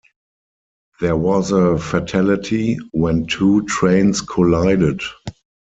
There was a fatality when two trains collided.